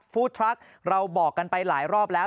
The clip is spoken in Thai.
ฟู้ดทรัคเราบอกกันไปหลายรอบแล้ว